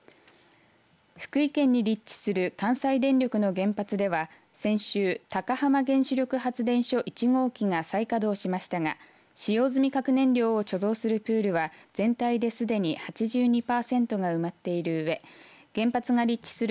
福井県に立地する関西電力の原発では先週、高浜原子力発電所１号機が再稼働しましたが使用済み核燃料を貯蔵するプールは全体ですでに８２パーセントが埋まっているうえ原発が立地する